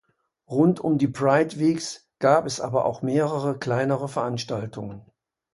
Rund um die Pride Weeks gab es aber auch mehrere kleinere Veranstaltungen.